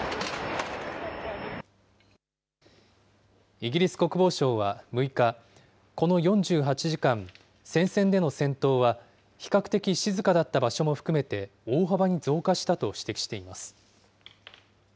イギリス国防省は、６日、この４８時間、戦線での戦闘は、比較的静かだった場所も含めて、大幅に増加したと指摘しています。